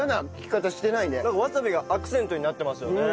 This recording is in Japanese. なんかわさびがアクセントになってますよね。